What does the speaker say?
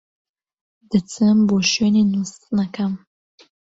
دەچم بۆ شوێنی نوستنەکەم.